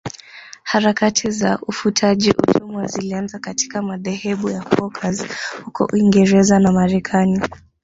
Harakati za ufutaji utumwa zilianza katika madhehebu ya Quakers huko Uingereza na Marekani